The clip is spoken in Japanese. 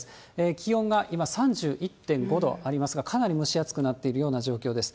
気温が今、３１．５度ありますが、かなり蒸し暑くなっているような状況です。